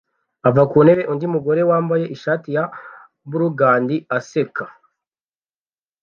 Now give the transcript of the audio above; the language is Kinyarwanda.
ava ku ntebe undi mugore wambaye ishati ya burgundy aseka